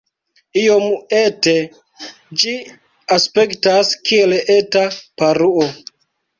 Iom ete ĝi aspektas, kiel eta paruo.